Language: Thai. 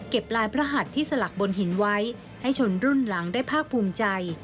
ลายพระหัดที่สลักบนหินไว้ให้ชนรุ่นหลังได้ภาคภูมิใจ